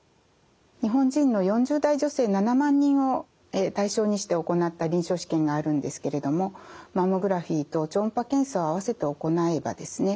日本人の４０代女性７万人を対象にして行った臨床試験があるんですけれどもマンモグラフィーと超音波検査を併せて行えばですね